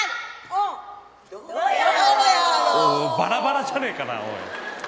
おいおいバラバラじゃねえかなおい。